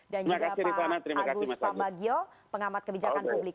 dan juga pak agus pambagio pengamat kebijakan publik